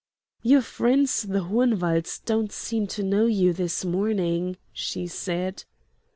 "Your friends the Hohenwalds don't seem to know you this morning," she said.